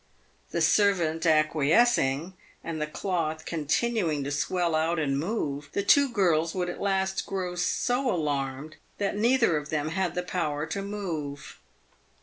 The servant acquiescing, and the cloth continuing to swell out and move, the two girls would at last grow so alarmed that nei ther of them had the power to move.